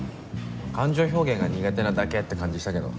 感情表現が苦手なだけって感じしたけど。